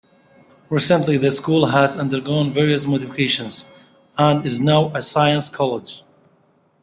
Recently the school has undergone various modifications, and is now a Science College.